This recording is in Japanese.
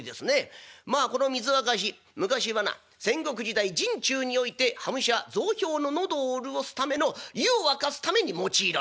「まあこの水沸かし昔はな戦国時代陣中において端武者雑兵の喉を潤すための湯を沸かすために用いられた」。